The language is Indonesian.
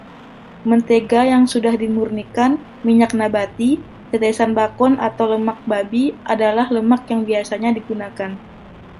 Mentega yang sudah dimurnikan, minyak nabati, tetesan bakon atau lemak babi adalah lemak yang biasa digunakan.